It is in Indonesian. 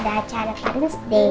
dan juga acara padang stay